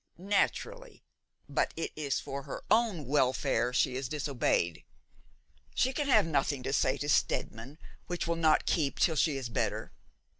'Naturally, but it is for her own welfare she is disobeyed. She can have nothing to say to Steadman which will not keep till she is better.